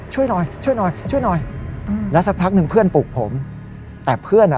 ช่วยหน่อยช่วยหน่อยช่วยหน่อยอืมแล้วสักพักหนึ่งเพื่อนปลูกผมแต่เพื่อนอ่ะ